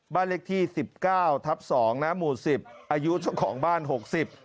บ้านเลขที่สิบเก้าทับสองนะหมู่สิบอายุเจ้าของบ้านหกสิบ